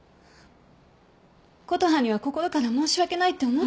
琴葉には心から申し訳ないって思ってるの。